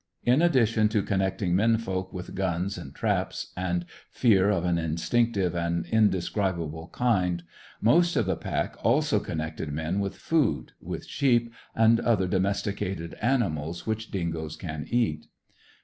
In addition to connecting men folk with guns and traps, and fear of an instinctive and indescribable kind, most of the pack also connected men with food, with sheep, and other domesticated animals which dingoes can eat.